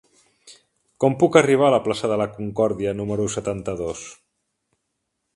Com puc arribar a la plaça de la Concòrdia número setanta-dos?